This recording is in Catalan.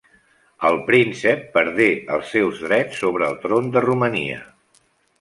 El príncep perdé els seus drets sobre el tron de Romania.